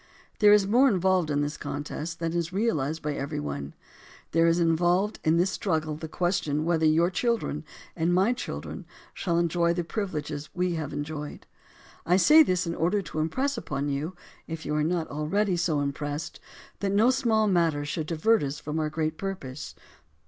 There is more involved in this contest than is realized by every one. There is involved in this struggle the question whether your children and my children shall enjoy the privileges we have enjoyed. I say this in order to impress upon you, if you are not already so impressed, that no small matter should divert us from our great purpose.